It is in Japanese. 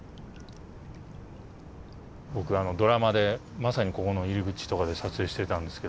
僕ドラマでまさにここの入り口とかで撮影してたんですけど。